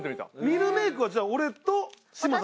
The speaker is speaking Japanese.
ミルメークはじゃあ俺と嶋佐。